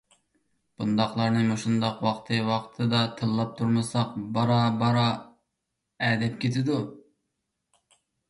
بۇنداقلارنى مۇشۇنداق ۋاقتى-ۋاقتىدا تىللاپ تۇرمىساق، بارا-بارا ئەدەپ كېتىدۇ.